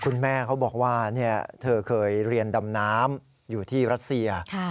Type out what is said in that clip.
เขาบอกว่าเธอเคยเรียนดำน้ำอยู่ที่รัสเซีย